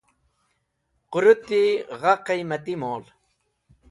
Qũrũti gha qiymati mol.